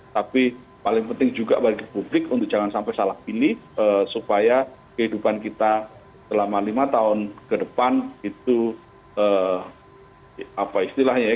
tapi paling penting juga bagi publik untuk jangan sampai salah pilih supaya kehidupan kita selama lima tahun ke depan itu apa istilahnya ya